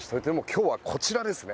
今日はこちらですね。